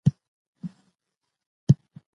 کار پیدا سو دی تیار وو